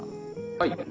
はい。